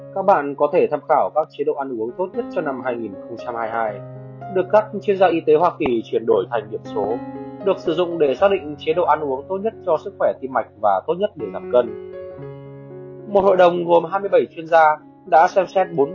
các bạn có thể tham khảo các chế độ ăn uống tốt nhất cho năm hai nghìn hai mươi hai được các chuyên gia y tế hoa kỳ chuyển đổi thành điểm số được sử dụng để xác định chế độ ăn uống tốt nhất cho sức khỏe tim mạch và tốt nhất để làm cân